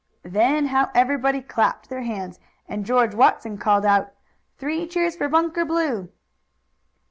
Then how everybody clapped their hands, and George Watson called out: "Three cheers for Bunker Blue!"